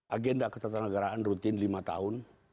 agenda ketatanegaraan rutin lima tahun